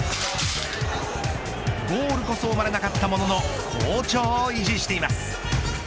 ゴールこそ生まれなかったものの好調を維持しています。